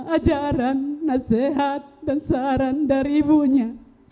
ajaran nasihat dan saran dari ibunya